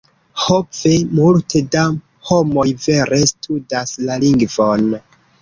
"Ho ve, multe da homoj vere studas la lingvon.